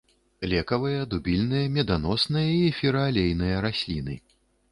Лекавыя, дубільныя, меданосныя і эфіраалейныя расліны.